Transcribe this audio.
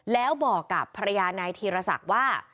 แล้วบอกกับภรรยานายธีรศักดิ์ว่า